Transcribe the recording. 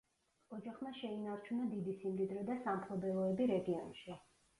ოჯახმა შეინარჩუნა დიდი სიმდიდრე და სამფლობელოები რეგიონში.